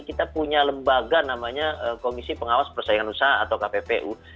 kita punya lembaga namanya komisi pengawas persaingan usaha atau kppu